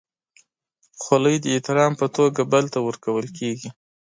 خولۍ د احترام په توګه بل ته ورکول کېږي.